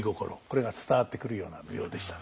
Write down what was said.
これが伝わってくるような舞踊でしたね。